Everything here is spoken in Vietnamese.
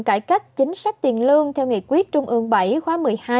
thực hiện lộ trình cải cách chính sách tiền lương theo nghị quyết trung ương bảy khóa một mươi hai